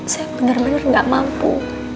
saya bener bener gak mampu